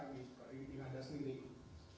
di tiongkok ini ada sendiri